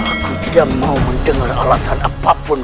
aku dia mau mendengar alasan apapun